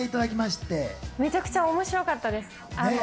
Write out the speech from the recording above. めちゃくちゃ面白かったです。